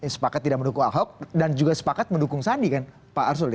sepakat tidak mendukung ahok dan juga sepakat mendukung sandi kan pak arsul ya